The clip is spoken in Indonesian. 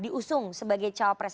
diusung sebagai cawapres